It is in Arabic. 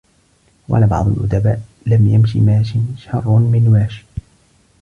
وَقَالَ بَعْضُ الْأُدَبَاءِ لَمْ يَمْشِ مَاشٍ شَرٌّ مِنْ وَاشٍ